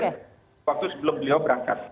waktu sebelum beliau berangkat